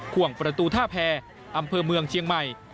ขวงประตูท่าแพรอำเภอเมืองเชียงใหม่